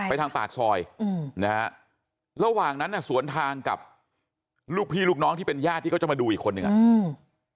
ทางปากซอยอืมนะฮะระหว่างนั้นน่ะสวนทางกับลูกพี่ลูกน้องที่เป็นญาติที่เขาจะมาดูอีกคนนึงอ่ะอืม